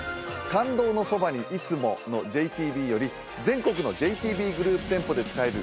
「感動のそばに、いつも。」のＪＴＢより全国のＪＴＢグループ店舗で使える